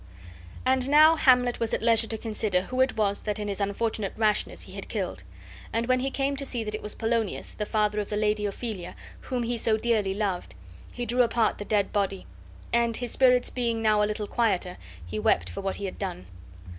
And now Hamlet was at leisure to consider who it was that in his unfortunate rashness he had killed; and when he came to see that it was Polonius, the father of the Lady Ophelia whom he so dearly loved, he drew apart the dead body, and, his spirits being now a little quieter, he wept for what he had done.